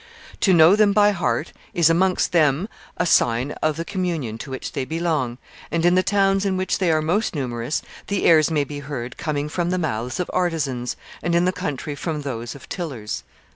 To know them by heart is, amongst them, a sign of the communion to which they belong, and in the towns in which they are most numerous the airs may be heard coming from the mouths of artisans, and in the country from those of tillers."